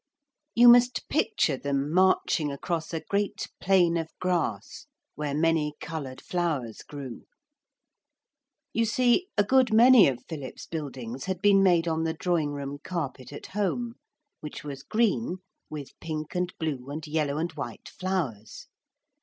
You must picture them marching across a great plain of grass where many coloured flowers grew. You see a good many of Philip's buildings had been made on the drawing room carpet at home, which was green with pink and blue and yellow and white flowers.